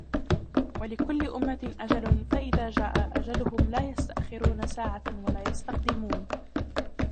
ولكل أمة أجل فإذا جاء أجلهم لا يستأخرون ساعة ولا يستقدمون